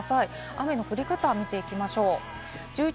雨の降り方を見ていきます。